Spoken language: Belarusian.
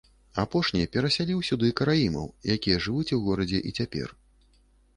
Апошні перасяліў сюды караімаў, якія жывуць у горадзе і цяпер.